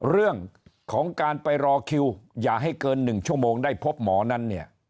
เรื่องของการไปรอคิวอย่าให้เกิน๑ชั่วโมงได้พบหมอนั้นเนี่ย